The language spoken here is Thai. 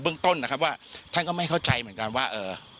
เรื่องต้นนะครับว่าท่านก็ไม่เข้าใจเหมือนกันว่าเอ่อ